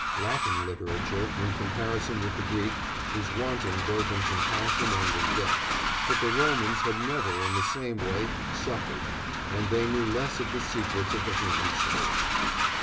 Latin literature, in comparison with the Greek, is wanting both in compassion and in depth, but the Romans had never in the same way suffered, and they knew less of the secrets of the human soul.